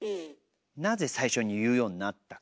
なぜ最初に言うようになったか。